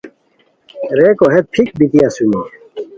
ریکو ہیت پھیک بیتی اسونی